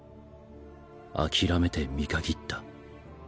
諦めて見限った